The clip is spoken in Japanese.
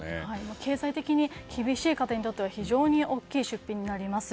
経済的に厳しい家庭にとっては非常に大きな出費になります。